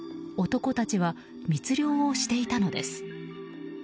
男たちは密漁をしていたのです。